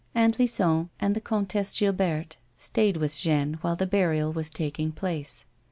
Aunt Lison and the Comtesse Gilberte stayed with Jeanne while the burial was taking place.